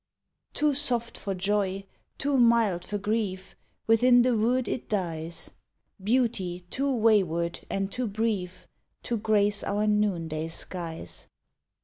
To/soft for joy, too mild for grief, Within the wood it dies Beauty too wayward and too brief To grace our noonday skies.